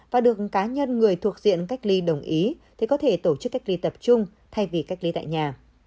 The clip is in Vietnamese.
và được cá nhân người thuộc diện cách ly đồng ý thì có thể tổ chức cách ly tập trung thay vì cách ly tại nhà